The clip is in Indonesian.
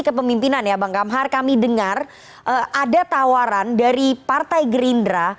kepemimpinan ya bang kamhar kami dengar ada tawaran dari partai gerindra